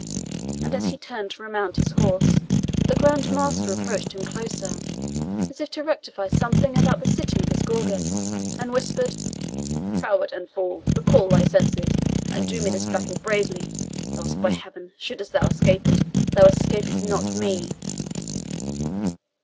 As he turned to remount his horse, the Grand Master approached him closer, as if to rectify something about the sitting of his gorget, and whispered, "Coward and fool! recall thy senses, and do me this battle bravely, else, by Heaven, shouldst thou escape him, thou escapest not ME!"